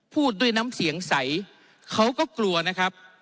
พูดด้วยน้ำเสียงใสเขาก็กลัวนะครับ